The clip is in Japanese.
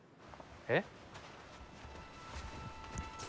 えっ？